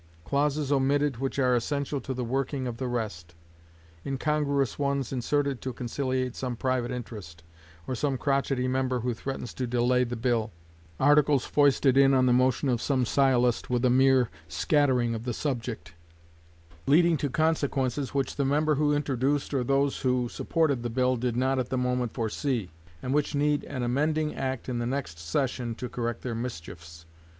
Clauses omitted which are essential to the working of the rest; incongruous ones inserted to conciliate some private interest, or some crotchety member who threatens to delay the bill; articles foisted in on the motion of some sciolist with a mere smattering of the subject, leading to consequences which the member who introduced or those who supported the bill did not at the moment foresee, and which need an amending act in the next session to correct their mischiefs.